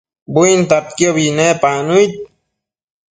buintadquiobi nepac nëid